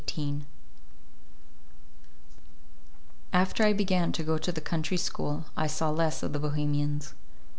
XVIII AFTER I began to go to the country school, I saw less of the Bohemians.